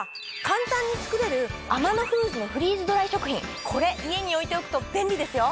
簡単に作れるアマノフーズのフリーズドライ食品これ家に置いておくと便利ですよ！